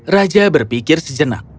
raja berpikir sejenak